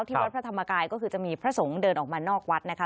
วัดพระธรรมกายก็คือจะมีพระสงฆ์เดินออกมานอกวัดนะคะ